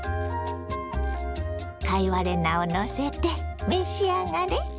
貝割れ菜をのせて召し上がれ。